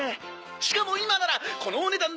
「しかも今ならこのお値段でもう１匹！」